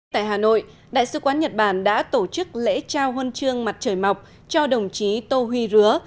tại hà nội đại sứ quán nhật bản đã tổ chức lễ trao huân chương mặt trời mọc cho đồng chí tô huy rứa